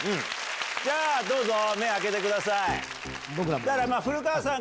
じゃあどうぞ目開けてください。